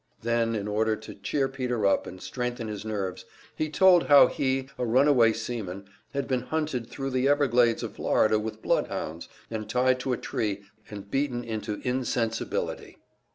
Then, in order to cheer Peter up and strengthen his nerves, he told how he, a runaway seaman, had been hunted thru the Everglades of Florida with bloodhounds, and tied to a tree and beaten into insensibility.